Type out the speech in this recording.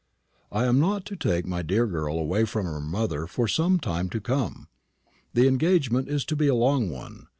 I am not to take my dear girl away from her mother for some time to come. The engagement is to be a long one.